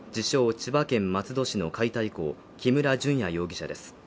千葉県松戸市の解体工木村隼也容疑者です